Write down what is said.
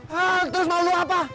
hah terus mau apa